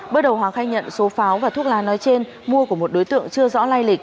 bước đầu hòa khai nhận số pháo và thuốc lá nói trên mua của một đối tượng chưa rõ lai lịch